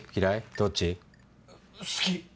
どっち？